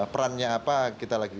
perannya apa kita latihan